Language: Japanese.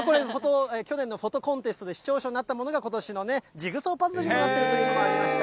去年のフォトコンテストで、市長賞になったものが、ことしのジグソーパズルになっているというものもありました。